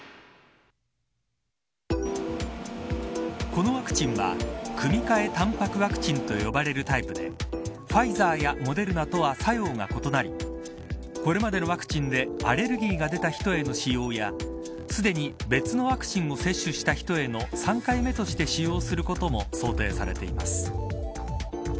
このワクチンは組み換えたんぱくワクチンと呼ばれるタイプでファイザーやモデルナとは作用が異なりこれまでのワクチンでアレルギーが出た人への使用やすでに別のワクチンを接種した人への３回目として使用することも想定されています。